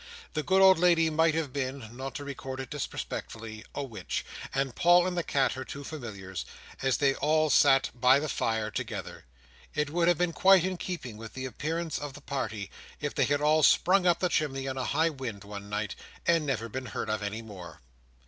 The good old lady might have been—not to record it disrespectfully—a witch, and Paul and the cat her two familiars, as they all sat by the fire together. It would have been quite in keeping with the appearance of the party if they had all sprung up the chimney in a high wind one night, and never been heard of any more.